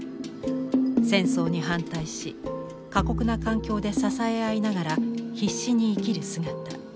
戦争に反対し過酷な環境で支え合いながら必死に生きる姿。